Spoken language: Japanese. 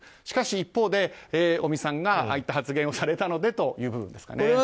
しかし一方で尾身さんがああいった発言をされたのでという部分ですかね。